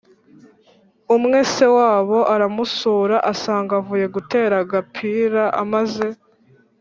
umwe, se wabo aramusura asanga avuye gutera agapira amaze